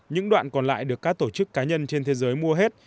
những đoạn còn lại được các tổ chức cá nhân trên thế giới mua hết